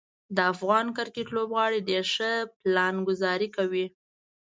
د افغان کرکټ لوبغاړو ډیر ښه پلانګذاري کوي.